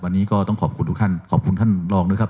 วันนี้ก็ต้องขอบคุณทุกท่านขอบคุณท่านรองด้วยครับ